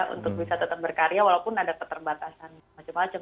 untuk bisa tetap berkarya walaupun ada keterbatasan macem macem